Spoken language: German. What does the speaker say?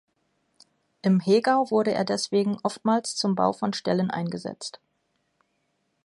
Im Hegau wurde er deswegen oftmals zum Bau von Ställen eingesetzt.